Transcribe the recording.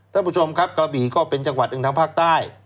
ท่านผู้ชมครับกระบี่ก็เป็นจังหวัดหนึ่งทางภาคใต้